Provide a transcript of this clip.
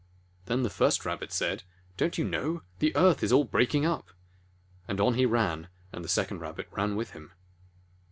The lion Then the first Rabbit said: "Don't you know? The earth is all breaking up !" And on he ran, and the second Rabbit ran with him.